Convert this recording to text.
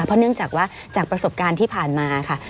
เพราะเนื่องจากว่าจากประสบการณ์ที่ผ่านมาค่ะ